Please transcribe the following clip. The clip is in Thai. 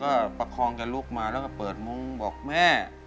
ก็ประคองกับลูกมาแล้วก็เปิดมุ้งบอกแม่